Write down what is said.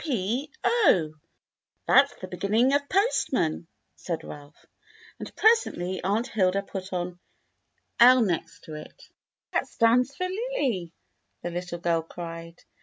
"P 0, that's the beginning of postman," said Ralph. And presently Aunt Hilda put an L next to it. "That stands for Lily," the little girl cried.